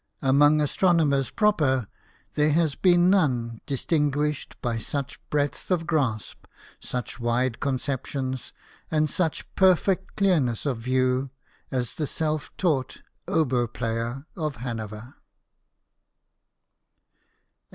Among astronomers proper there has been none distinguished by such breadth of grasp, such wide conceptions, and such perfect clear ness of view as the self taught oboe player of Hanover.